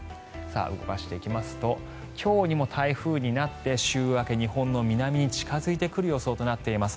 動かしていきますと今日にも台風になって週明け、日本の南に近付いてくる予想となっています。